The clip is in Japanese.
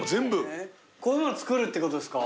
こういうの作るってことですか？